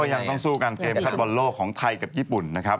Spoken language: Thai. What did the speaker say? ยังต้องสู้กันเกมคัดบอลโลกของไทยกับญี่ปุ่นนะครับ